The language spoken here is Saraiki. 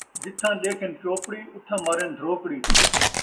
جتھاں ݙیکھن چوپڑی، اتھاں مارن دھروکڑی